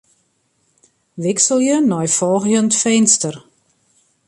Wikselje nei folgjend finster.